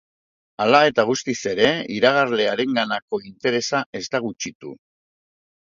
Hala eta guztiz ere, iragarle harenganako interesa ez da gutxitu.